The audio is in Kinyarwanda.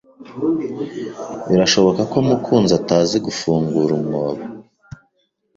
Birashoboka ko Mukunzi atazi gufungura umwobo.